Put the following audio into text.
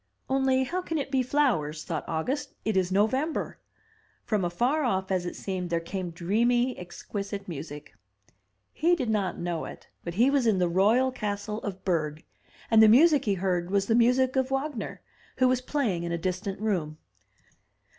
"Only how can it be flowers?" thought August. "It is November!'' . From afar off, as it seemed, there came dreamy, exquisite music. He did not know it, but he was in the royal castle of Berg, and the music he heard was the music of Wagner, who was playing in a distant room.